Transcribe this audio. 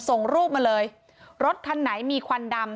ส่งรูปมาเลยรถคันไหนมีควันดำ